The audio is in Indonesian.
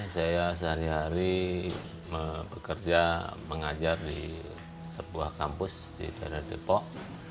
saya sehari hari bekerja mengajar di sebuah kampus di daerah depok